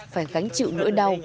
phải gánh chịu nỗi đau